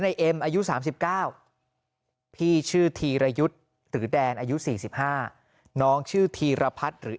เอ็มอายุ๓๙พี่ชื่อธีรยุทธ์หรือแดนอายุ๔๕น้องชื่อธีรพัฒน์หรือ